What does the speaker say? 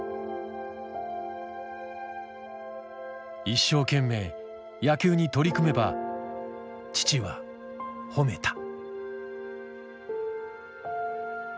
一生懸命野球に取り組めば父は褒めた。